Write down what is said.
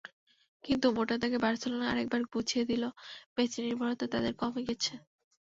কিন্তু মোটা দাগে বার্সেলোনা আরেকবার বুঝিয়ে দিল, মেসি-নির্ভরতা তাদের কমে গেছে।